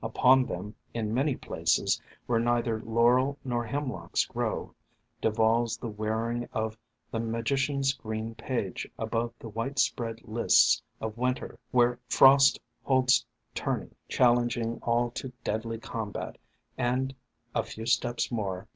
Upon them, in many places where neither Lau rel nor Hemlocks grow, devolves the wearing of the Magi cian's green gage above the white spread lists of Winter, where Frost holds tourney, challeng ing all to deadly combat, and A few steps more!